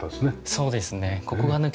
そうですね。